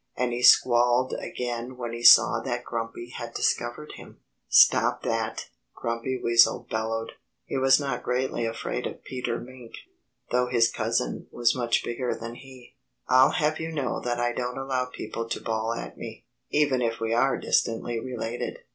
And he squalled again when he saw that Grumpy had discovered him. "Stop that!" Grumpy Weasel bellowed. He was not greatly afraid of Peter Mink, though his cousin was much bigger than he. "I'll have you know that I don't allow people to bawl at me, even if we are distantly related."